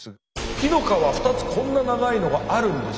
火の川２つこんな長いのがあるんです。